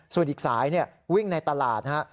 ส่วนอีกสายวิ่งในตลาดฮะ